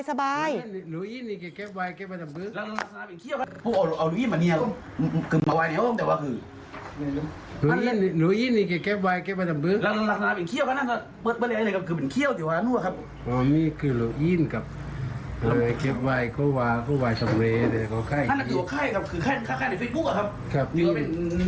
ก็เปิดมาแล้วกันคือเหมือนเขี้ยวที่ก็อาจอยู่มีคือลูอินก็เหมือนเข้าไปโควายโควายที่มีเนื้อ